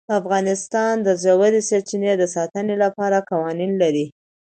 افغانستان د ژورې سرچینې د ساتنې لپاره قوانین لري.